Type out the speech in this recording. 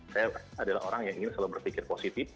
saya adalah orang yang ingin selalu berpikir positif